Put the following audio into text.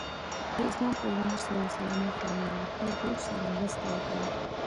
د اسلام پیغمبر ص وفرمایل له خپل ورور سره مرسته وکړئ.